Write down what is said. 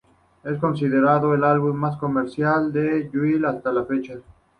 Es considerado el álbum más comercial de Jewel hasta la fecha.